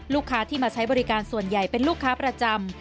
ลูกค้าที่มาใช้บริการส่วนใหญ่เป็นลูกค้าประจำ